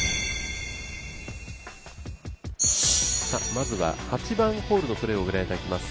まずは８番ホールのプレーを御覧いただきます。